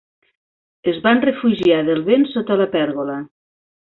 Ens vam refugiar del vent sota la pèrgola.